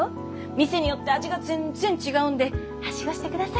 店によって味が全然違うんではしごしてください。